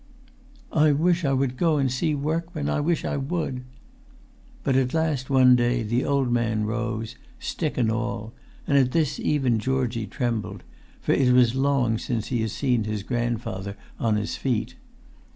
"I wish I would go and see workman. I wish I would!" But at last one day the old man rose, stick and all; and at this even Georgie trembled; for it was long since he had seen his grandfather on his feet.